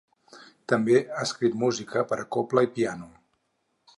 També ha escrit música per a cobla i piano.